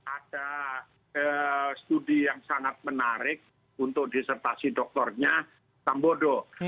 ada studi yang sangat menarik untuk disertasi doktornya tambodo